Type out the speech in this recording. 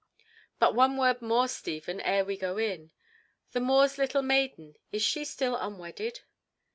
But one word more, Stephen, ere we go in. The Moor's little maiden, is she still unwedded?"